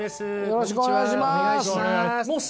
よろしくお願いします。